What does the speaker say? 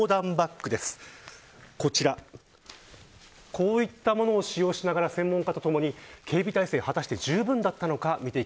こういったものを使用しながら専門家とともに警備体制が果たしてじゅうぶんだったのか